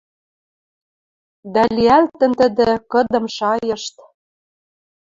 Дӓ лиӓлтӹн тӹдӹ, кыдым шайышт